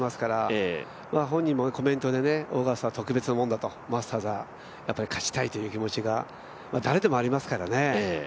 本人もコメントでオーガスタは特別なものだと、マスターズはやっぱり勝ちたいという気持ちが誰でもありますからね。